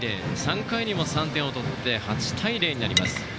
３回にも３点を取って８対０になります。